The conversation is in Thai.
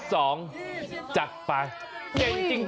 ๒๒ตัว๒๒จัดไปเจ๋งจริง